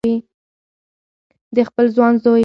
د خپل ځوان زوی